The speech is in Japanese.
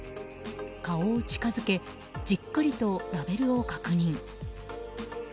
顔を近づけじっくりとラベルを確認。